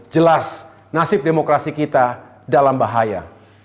jelas nasib demokrasi kita dalam bahaya